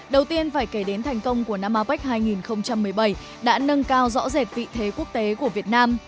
đầu tiên phải kể đến thành công của năm apec hai nghìn một mươi bảy đã nâng cao rõ rệt vị thế quốc tế của việt nam